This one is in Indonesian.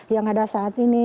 yang ada saat ini